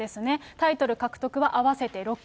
タイトル獲得は合わせて６期。